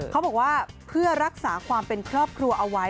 เขาบอกว่าเพื่อรักษาความเป็นครอบครัวเอาไว้